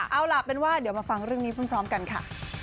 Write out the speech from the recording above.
เอาล่ะเป็นว่าเดี๋ยวมาฟังเรื่องนี้พร้อมกันค่ะ